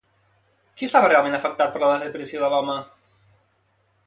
Qui estava realment afectat per la desaparició de l'home?